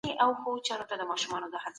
عسکري قوت په ګډ ځای کي ځای پر ځای سو.